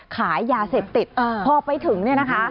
ขายยาเสพติดพอไปถึงเนี่ยนะคะ